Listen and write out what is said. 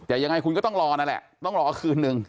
แต่ยังไงคุณก็ต้องรอนั่นแหละต้องรอคืนนึง